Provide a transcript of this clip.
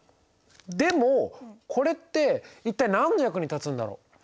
でもこれって一体何の役に立つんだろう？